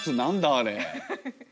あれ。